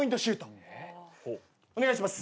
お願いします。